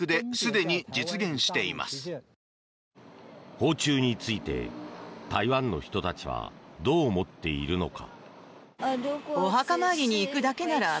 訪中について台湾の人たちはどう思っているのか。